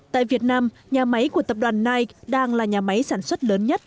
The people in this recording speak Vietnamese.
tại việt nam nhà máy của tập đoàn nike đang là nhà máy sản xuất lớn nhất